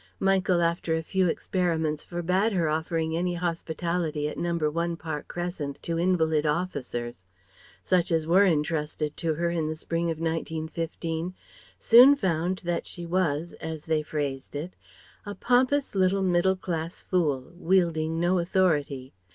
Michael after a few experiments forbade her offering any hospitality at No. 1 Park Crescent to invalid officers. Such as were entrusted to her in the spring of 1915 soon found that she was as they phrased it "a pompous little, middle class fool," wielding no authority.